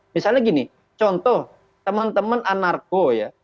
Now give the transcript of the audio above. misalnya gini contoh teman teman anarko ya